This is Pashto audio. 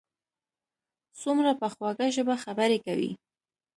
څومره په خوږه ژبه خبرې کوي.